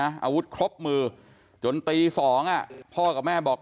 อาวุธครบมือจนตี๒พ่อกับแม่บอก